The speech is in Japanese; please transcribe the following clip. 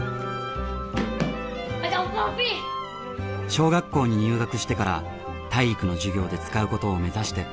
小学校に入学してから体育の授業で使うことを目指して運動用の義手を作りました。